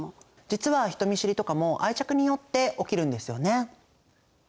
実は人見知りとかも愛着によって起きるんですよね。